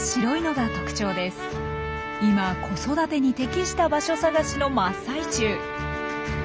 今子育てに適した場所探しの真っ最中。